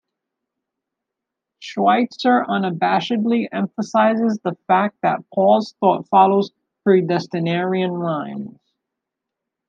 Schweitzer unabashedly emphasizes the fact that Paul's thought follows predestinarian lines.